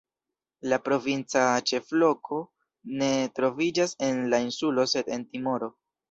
La provinca ĉefloko ne troviĝas en la insulo sed en Timoro.